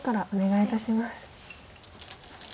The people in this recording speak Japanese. お願いします。